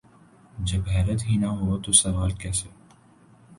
جب حیرت ہی نہ ہو تو سوال کیسے؟